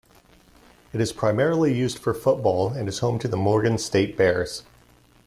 It is primarily used for football and is home of the Morgan State Bears.